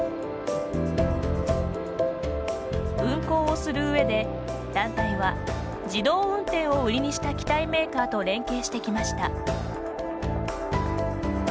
運航をする上で、団体は自動運転を売りにした機体メーカーと連携してきました。